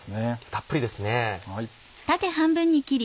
たっぷりですね。